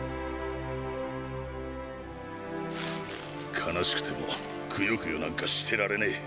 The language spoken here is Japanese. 悲しくてもクヨクヨなんかしてられねぇ！